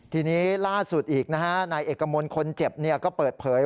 ทีนี้ล่าสุดอีกนะฮะนายเอกมลคนเจ็บก็เปิดเผย